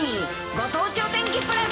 ご当地お天気プラス。